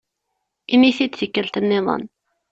Ini-t-id i tikkelt-nniḍen.